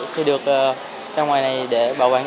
khi được ra ngoài này để bảo vệ